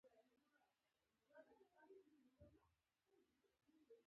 د جوماتونو جوړول هم حساب دي.